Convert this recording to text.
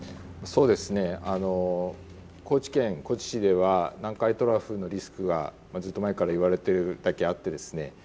そうですね高知県高知市では南海トラフのリスクがずっと前から言われてるだけあってですね